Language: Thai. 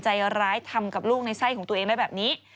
ใจร้ายทำกับลูกในไส้ของตัวเองได้แบบนี้